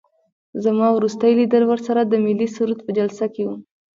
زما وروستی لیدل ورسره د ملي سرود په جلسه کې وو.